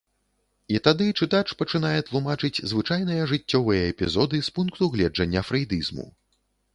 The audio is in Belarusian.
І тады чытач пачынае тлумачыць звычайныя жыццёвыя эпізоды з пункту гледжання фрэйдызму.